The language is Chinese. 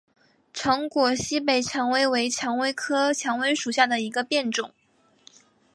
长果西北蔷薇为蔷薇科蔷薇属下的一个变种。